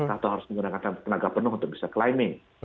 atau harus menggunakan tenaga penuh untuk bisa clining